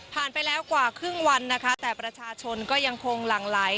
ไปแล้วกว่าครึ่งวันนะคะแต่ประชาชนก็ยังคงหลั่งไหล